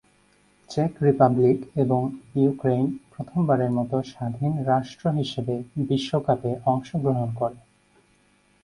Check Republic এবং Ukraine প্রথমবারের মত স্বাধীন রাষ্ট্র হিসেবে বিশ্বকাপে অংশগ্রহণ করে।